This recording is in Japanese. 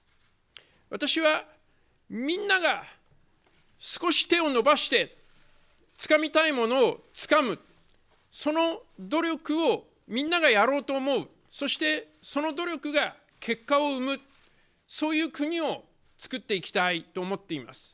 私はみんなが少し手を伸ばしてつかみたいものをつかむ、その努力をみんながやろうと思う、そしてその努力が結果を生む、そういう国をつくっていきたいと思っています。